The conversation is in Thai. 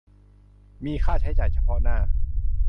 มีค่าใช้จ่ายเฉพาะหน้า